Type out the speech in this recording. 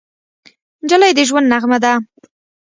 نجلۍ د ژوند نغمه ده.